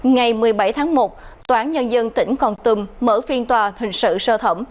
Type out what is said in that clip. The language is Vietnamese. ngày một mươi bảy tháng một toán nhân dân tỉnh còn tùm mở phiên tòa hình sự sơ thẩm